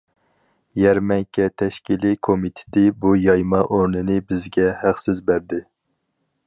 يەرمەنكە تەشكىلىي كومىتېتى بۇ يايما ئورنىنى بىزگە ھەقسىز بەردى.